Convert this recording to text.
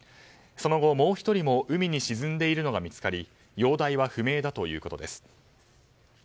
その後もう１人も海に沈んでいるのが見つかり容体は不明だということです。